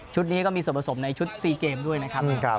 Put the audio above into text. ชุดนี้ก็มีสโปรสมในชุดนครับ